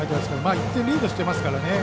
１点リードしてますからね。